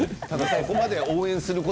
そこまで応援すること